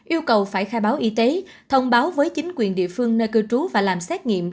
yêu cầu phải khai báo y tế thông báo với chính quyền địa phương nơi cư trú và làm xét nghiệm